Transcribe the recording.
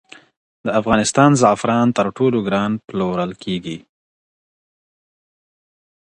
د افغانستان زعفران تر ټولو ګران پلورل کېږي.